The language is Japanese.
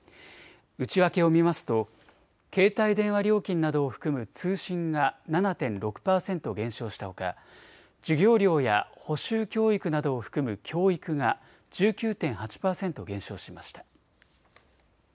内訳を見ますと携帯電話料金などを含む通信が７．６％減少したほか授業料や補習教育などを含む教育が１９．８％減少しました。